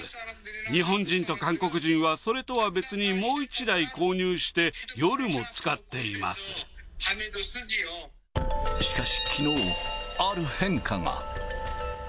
日本人と韓国人は、それとは別にもう１台購入して、夜も使っていしかしきのう、ある変化が。